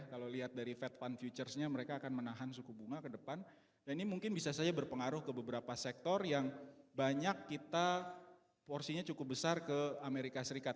kalau lihat dari fed fun futuresnya mereka akan menahan suku bunga ke depan dan ini mungkin bisa saja berpengaruh ke beberapa sektor yang banyak kita porsinya cukup besar ke amerika serikat